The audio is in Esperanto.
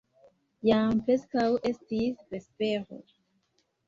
Jam preskaŭ estis vespero.